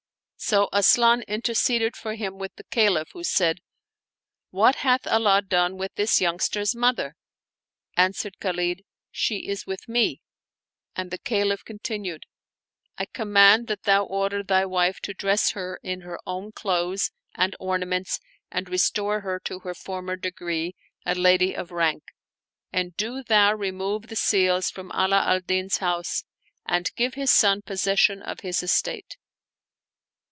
So Asian interceded for him with the Caliph, who said, "What hath Allah done with this youngster's mother?" Answered Khalid, " She is with me," and the Caliph con tinued, " I command that thou order thy wife to dress her in her own clothes and ornaments and restore her to her former degree, a lady of rank; and do thou remove the seals from Ala al Din's house and give his son possession of his estate."